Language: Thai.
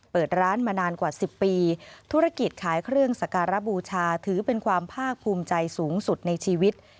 เปิดร้านมานานกว่า๑๐ปีธุรกิจขายเครื่องสการบูชาถือเป็นความภาคภูมิใจสูงสุดในชีวิต